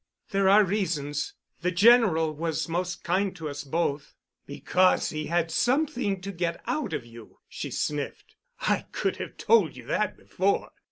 "There are reasons. The General was most kind to us both——" "Because he had something to get out of you," she sniffed. "I could have told you that before."